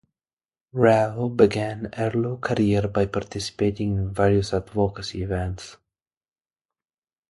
Rao began her law career by participating in various advocacy events.